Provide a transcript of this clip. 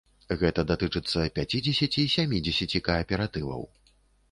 Гэта датычыцца пяцідзесяці-сямідзесяці кааператываў.